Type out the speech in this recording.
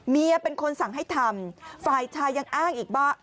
เมียเป็นคนสั่งให้ทำฝ่ายชายยังอ้างอีกว่า